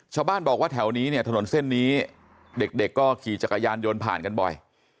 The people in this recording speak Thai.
ชาวบ้านบอกว่าแถวนี้เนี่ยถนนเส้นนี้เด็กก็ขี่จักรยานยนต์ผ่านกันบ่อย